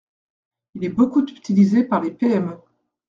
Il est beaucoup utilisé par les PME.